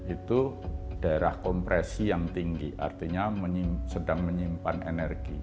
itu daerah kompresi yang tinggi artinya sedang menyimpan energi